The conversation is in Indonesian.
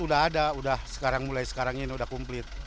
sudah ada sudah mulai sekarang ini sudah kumplit